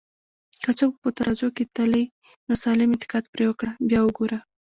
که څوک په ترازو کی تلې، نو سالم انتقاد پر وکړه بیا وګوره